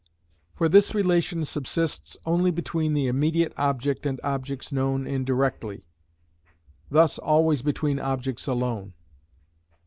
For this relation subsists only between the immediate object and objects known indirectly, thus always between objects alone.